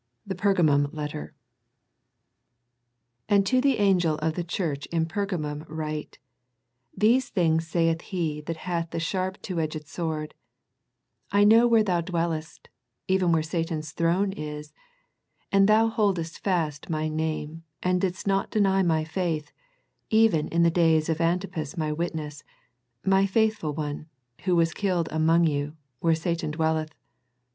THE PERGAMUM LETTER " And to the angel of the church in Pergamum write ;" These things saith He that hath the sharp two edged sword: I know where thou dwellest, even where Satan's throne is: and thou holdest fast My name, and didst not deny My faith, even in the days of Antipas My witness, My faithful one, who was killed among you, where Satan dwelleth.